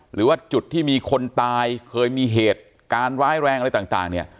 หรือว่าจุดที่มีคนตายเคยมีเหตุการณ์ร้ายแรงอะไรต่างเนี่ย